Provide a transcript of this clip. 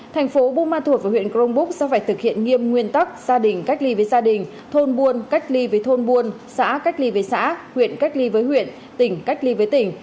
thành phố buôn ma thuột và huyện crong búc sẽ phải thực hiện nghiêm nguyên tắc gia đình cách ly với gia đình thôn buôn cách ly với thôn buôn xã cách ly với xã huyện cách ly với huyện tỉnh cách ly với tỉnh